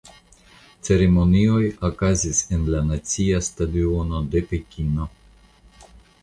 Ceremonioj okazis en la Nacia stadiono de Pekino.